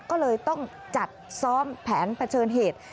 ก็เลยต้องจัดซ้อมแผนเผชิญเหตุ